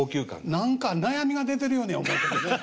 何か悩みが出てるように思えててね。